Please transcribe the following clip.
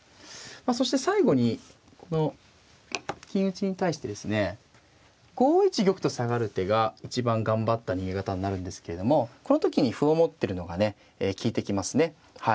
そして最後に金打ちに対してですね５一玉と下がる手が一番頑張った逃げ方になるんですけれどもこの時に歩を持ってるのがね利いてきますねはい。